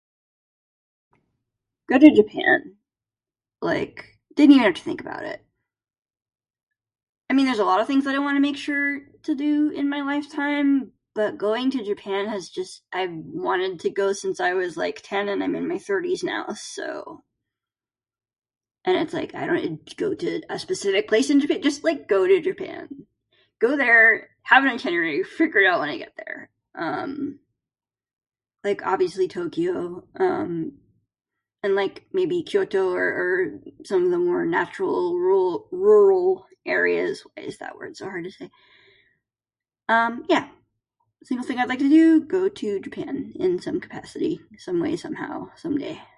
Go to Japan. Like, didn't even have to think about it. I mean, there's a lot of things that I wanna make sure to do in my lifetime, but going to Japan has just... I've wanted to go since I was, like, ten and I'm in my thirties now, so. And it's like I dun- go to a specific place in Japan. Just, like, go to Japan. Go there, have an itinerary, figure it out when I get there. Um, like obviously Tokyo, um, and, like, maybe Kyoto or or some of the more natural rur- rural areas, why is that word so hard to say? Um, yeah, things that I'd like to do: go to Japan in some capacity, someway, somehow, some day.